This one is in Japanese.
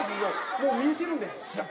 もう見えてるんで。